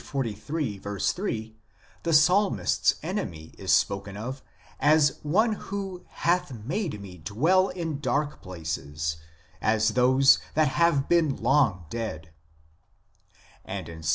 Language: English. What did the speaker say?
3 the psalmist s enemy is spoken of as one who " hath made me dwell in dark places, as those that have been long dead," andinPs.